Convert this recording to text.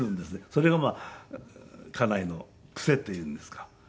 それが家内の癖というんですか。